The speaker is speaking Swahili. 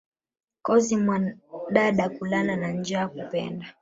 Kozi mwandada, kulala na njaa kupenda